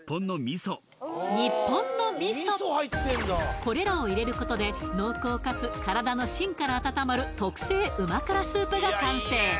これらを入れることで濃厚かつ体の芯から温まるが完成